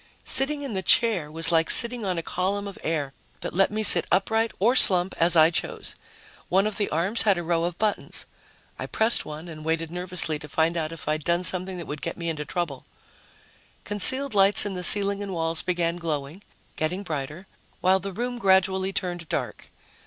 Sitting in the chair was like sitting on a column of air that let me sit upright or slump as I chose. One of the arms had a row of buttons. I pressed one and waited nervously to find out if I'd done something that would get me into trouble. Concealed lights in the ceiling and walls began glowing, getting brighter, while the room gradually turned dark.